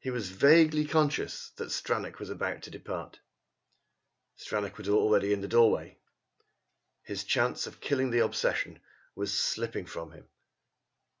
He was vaguely conscious that Stranack was about to depart. Stranack was already in the doorway. His chance of killing the obsession was slipping from him!